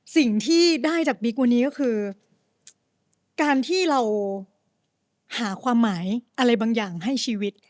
สิ่งที่ได้จากบิ๊กวันนี้ก็คือการที่เราหาความหมายอะไรบางอย่างให้ชีวิต